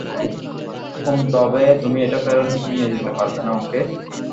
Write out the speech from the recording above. হুম, তবে তুমি এটা ফেরত নিয়ে যেতে পারবে না, ওকে?